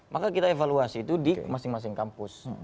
maka kita evaluasi itu di masing masing kampus